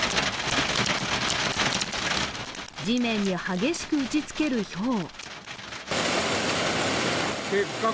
地面に激しく打ちつけるひょう。